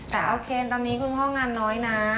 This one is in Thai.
แต่โอเคตอนนี้คุณพ่องานน้อยนะ